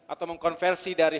atau mengkonversi dari